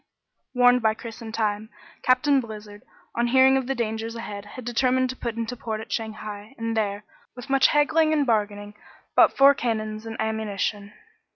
Warned by Chris in time, Captain Blizzard, on hearing of the dangers ahead, had determined to put into port at Shanghai, and there, with much haggling and bargaining, bought four cannons and ammunition.